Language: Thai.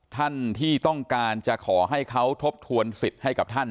ท่านที่ต้องการจะขอให้เขาทบทวนสิทธิ์ให้กับท่าน